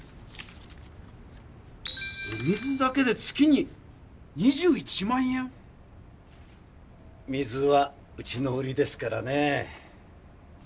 お水だけで月に２１万円⁉水はうちの売りですからね。